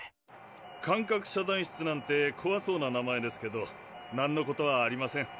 感覚遮断室なんてこわそうな名前ですけどなんのことはありません。